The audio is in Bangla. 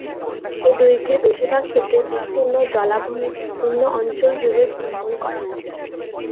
এর দৈর্ঘ্যের বেশিরভাগ ক্ষেত্রেই বিস্তীর্ণ জলাভূমির নিম্ন অঞ্চল জুড়ে ভ্রমণ করে।